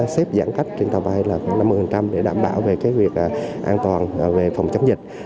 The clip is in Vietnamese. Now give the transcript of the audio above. xếp giãn cách trên tàu bay là năm mươi để đảm bảo về cái việc an toàn về phòng chấm dịch